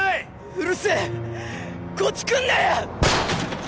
うるせえこっち来んなよ！